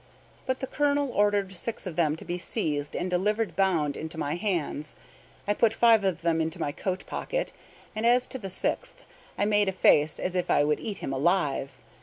But the colonel ordered six of them to be seized and delivered bound into my hands. I put five of them into my coat pocket; and as to the sixth, I made a face as if I would eat him alive.